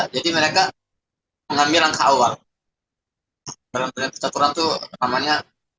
jadi mereka mengambil langkah awal berat berat itu namanya